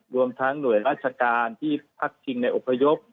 รวมทั้งหน่วยราชการที่พักชิงในอพยพ